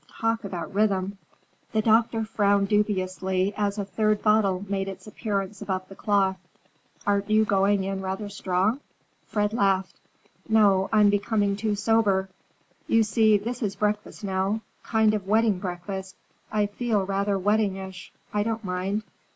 Talk about rhythm!" The doctor frowned dubiously as a third bottle made its appearance above the cloth. "Aren't you going in rather strong?" Fred laughed. "No, I'm becoming too sober. You see this is breakfast now; kind of wedding breakfast. I feel rather weddingish. I don't mind.